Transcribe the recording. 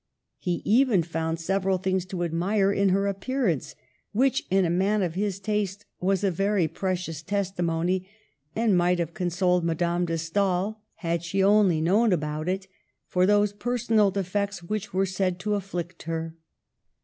He even found several things to admire in her appearance, which in a man of his taste was a very precious testimony, and might have consoled Madame de Stael, had she only known of it, for those personal defects which were said to afflict her.